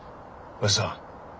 おやじさん